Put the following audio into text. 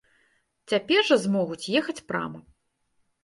Цяпер жа змогуць ехаць прама.